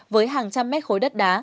với hàng trăm mét khối đất đá